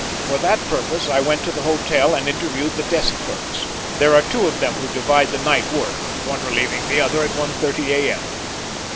For that purpose I went to the hotel and interviewed the desk clerks. There are two of them who divide the night work, one relieving the other at 1.30 A.M.